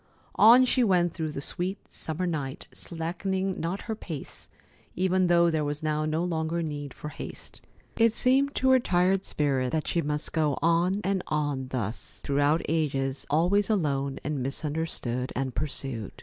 On she went through the sweet summer night, slackening not her pace, even though there was now no longer need for haste. It seemed to her tired spirit that she must go on and on thus, throughout ages, always alone and misunderstood and pursued.